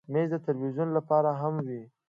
مېز د تلویزیون لپاره هم وي.